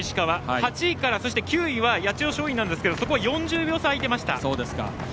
８位から９位は八千代松陰なんですけれどもそこは４０秒差開いていました。